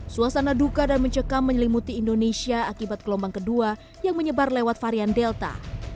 suasana duka dan mencekam menyelimuti indonesia akibat gelombang kedua yang menyebar lewat varian delta